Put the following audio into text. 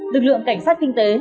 lực lượng cảnh sát kinh tế